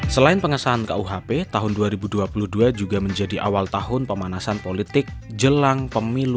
selain pengesahan kuhp tahun dua ribu dua puluh dua juga menjadi awal tahun pemanasan politik jelang pemilu dua ribu dua puluh